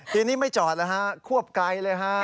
ทีนี้ไม่จอดแล้วฮะควบไกลเลยฮะ